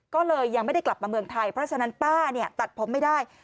ก็เลยยังไม่ได้กลับมาเมืองไทยเพราะฉะนั้นป้าเนี่ยตัดผมไม่ได้